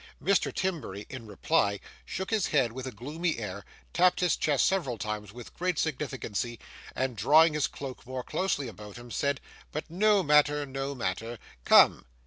Mr. Timberry, in reply, shook his head with a gloomy air, tapped his chest several times with great significancy, and drawing his cloak more closely about him, said, 'But no matter, no matter. Come!